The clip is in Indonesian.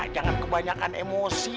jangan kebanyakan emosi